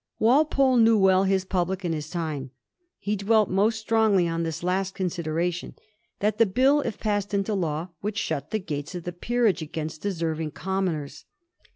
Walpole knew well his public and his time. He dwelt most strongly on this last consideration — ^that the Bill if passed into law would shut the gates of the Peerage against deserving Commoners.